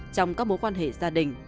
trong các mối quan hệ gia đình